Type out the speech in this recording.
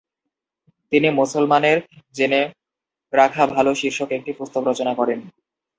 তিনি মুসলমানের জেনে রাখা ভাল শীর্ষক একটি পুস্তক রচনা করেন।